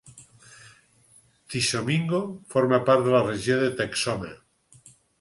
Tishomingo forma part de la regió de Texoma.